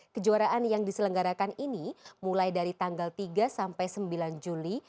kejuaraan yang diselenggarakan ini mulai dari tanggal tiga sampai sembilan juli